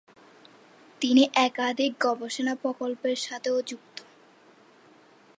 তিনি একাধিক গবেষণা প্রকল্পের সাথেও যুক্ত।